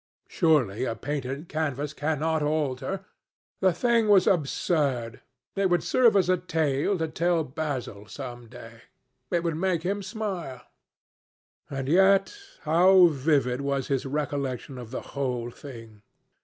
Surely a painted canvas could not alter? The thing was absurd. It would serve as a tale to tell Basil some day. It would make him smile. And, yet, how vivid was his recollection of the whole thing!